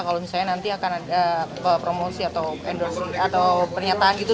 kalau misalnya nanti akan ada promosi atau pernyataan gitu